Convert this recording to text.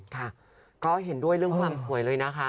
ค่ะก็เห็นด้วยเรื่องความสวยเลยนะคะ